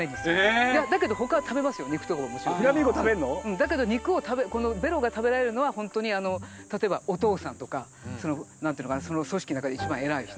フラミンゴ食べるの？だけどこのベロが食べられるのは本当に例えばお父さんとか何て言うのかなその組織の中で一番偉い人。